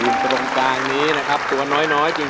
ตรงกลางนี้นะครับตัวน้อยน้อยจริง